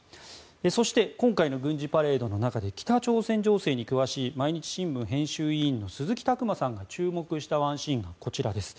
そして今回の軍事パレードの中で北朝鮮情勢に詳しい毎日新聞編集委員の鈴木琢磨さんが注目したワンシーンがこちらです。